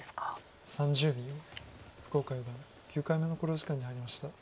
福岡四段９回目の考慮時間に入りました。